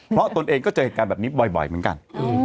เพราะตนเองก็เจอเหตุการณ์แบบนี้บ่อยเหมือนกัน